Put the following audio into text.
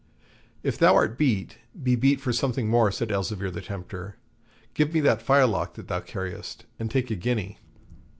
'If thou art beat, be beat for something more,' says Elzevir the tempter. 'Give me that firelock that thou carriest, and take a guinea.'